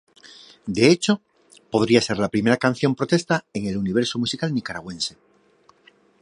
De hecho, podría ser la primera canción de protesta en el universo musical nicaragüense.